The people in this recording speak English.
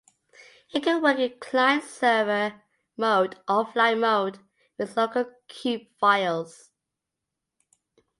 It could work in client-server mode or offline mode with local cube files.